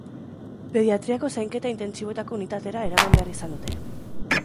Pediatriako zainketa intentsiboetako unitatera eraman behar izan dute.